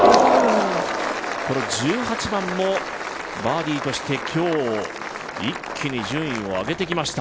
１８番もバーディーとして今日、一気に順位を上げてきました